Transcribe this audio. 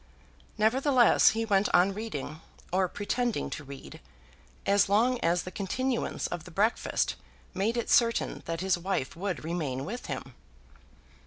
Nevertheless, he went on reading, or pretending to read, as long as the continuance of the breakfast made it certain that his wife would remain with him.